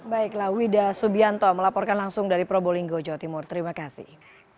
baiklah wida subianto melaporkan langsung dari probolinggo jawa timur terima kasih